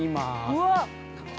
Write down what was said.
◆うわっ。